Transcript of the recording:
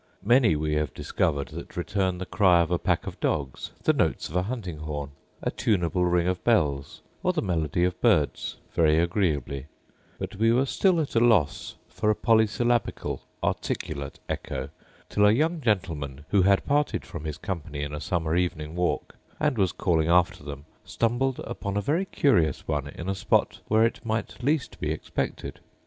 Many we have discovered that return the cry of a pack of dogs, the notes of a hunting horn, a tunable ring of bells, or the melody of birds, very agreeably: but we were still at a loss for a polysyllabical, articulate echo, till a young gentleman, who had parted from his company in a summer evening walk, and was calling after them, stumbled upon a very curious one in a spot where it might least be expected.